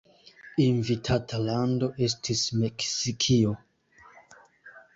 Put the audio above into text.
Invitata lando estis Meksikio.